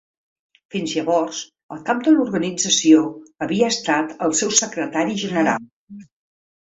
Fins llavors, el cap de l'organització havia estat el seu secretari general.